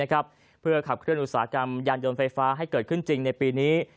เพื่อขับเคลื่อนอุตสาหกรรมยานยนต์ไฟฟ้าให้เกิดขึ้นจริงในปีนี้